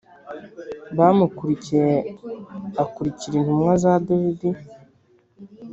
bamukurikiye akurikira intumwa za Dawidi